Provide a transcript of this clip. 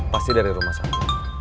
pasti dari rumah satu